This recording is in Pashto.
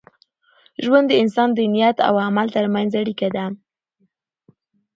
ژوند د انسان د نیت او عمل تر منځ اړیکه ده.